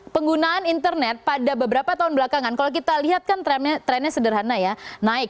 penggunaan internet pada beberapa tahun belakangan kalau kita lihat kan trennya sederhana ya naik